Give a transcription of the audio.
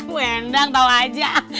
bu enang tau aja